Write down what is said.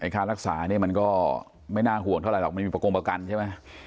ค่ารักษาเนี่ยมันก็ไม่น่าห่วงเท่าไหรอกมันมีประกงประกันใช่ไหม